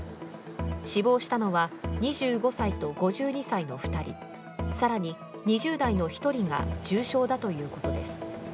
死亡したのは２５歳と５２歳の２人、更に２０代の１人が重傷だということです。